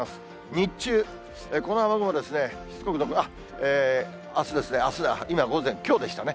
日中、この雨雲がしつこく残る、あすですね、あす、今、午前でしたね。